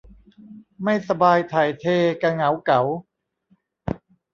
ไม่สบายถ่ายเทกะเหงาเก๋า